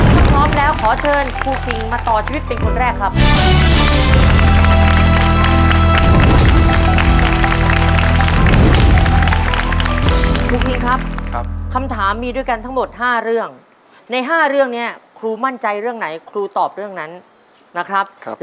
ถ้าพร้อมแล้วขอเชิญครูคิงมาต่อชีวิตเป็นคนแรกครับ